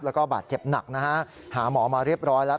แล้วก็บาดเจ็บหนักนะฮะหาหมอมาเรียบร้อยแล้ว